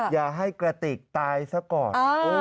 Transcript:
อย่าให้กระติกตายซะก่อน